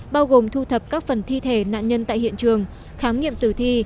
bao gồm thu thập các phần thi thể nạn nhân tại hiện trường khám nghiệm tử thi